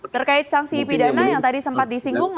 terkait sanksi pidana yang tadi sempat disinggung